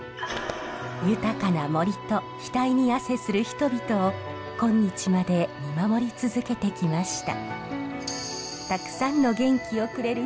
豊かな森と額に汗する人々を今日まで見守り続けてきました。